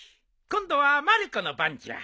今度はまる子の番じゃ。